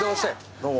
どうも。